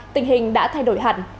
tình hình đã thay đổi hẳn